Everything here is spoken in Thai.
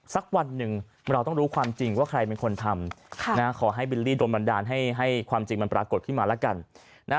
สักวันหนึ่งเราต้องรู้ความจริงว่าใครเป็นคนทำขอให้บิลลี่โดนบันดาลให้ความจริงมันปรากฏขึ้นมาแล้วกัน